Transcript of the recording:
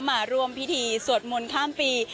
มาร่วมพิธีสวดมนต์ข้ามปี